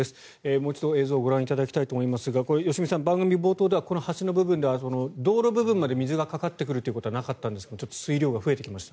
もう一度、映像をご覧いただきたいと思いますが良純さん、番組冒頭ではこの橋の部分では道路部分まで水がかかってくるということはなかったんですけどちょっと水量が増えてきました。